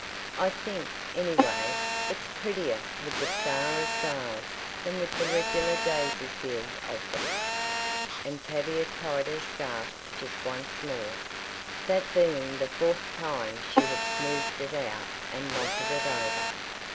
I think, anyway, it's prettier with the star of stars than with the regular daisy field of them," and Tavia tied her scarf just once more, that being the fourth time she had smoothed it out and knotted it over.